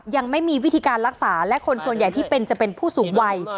ยังไม่มีวิธีการรักษาและคนส่วนใหญ่ที่เป็นจะเป็นผู้สูงวัย